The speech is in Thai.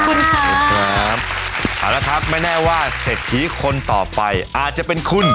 เอาละครับไม่แน่ว่าเศรษฐีคนต่อไปอาจจะเป็นคุณ